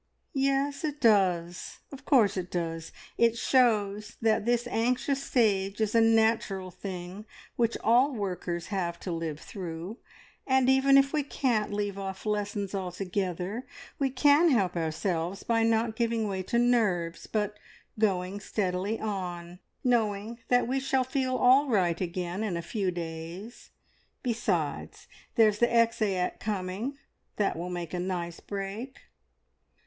"Yes, it does of course it does. It shows that this anxious stage is a natural thing which all workers have to live through, and even if we can't leave off lessons altogether, we can help ourselves by not giving way to nerves, but going steadily on, knowing that we shall feel all right again in a few days. Besides, there's the Exeat coming, that will make a nice break."